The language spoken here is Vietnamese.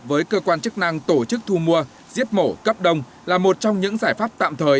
với cơ quan chức năng tổ chức thu mua giết mổ cấp đông là một trong những giải pháp tạm thời